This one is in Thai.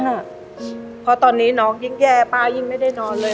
เพราะตอนนี้น้องยิ่งแย่ป้ายิ่งไม่ได้นอนเลย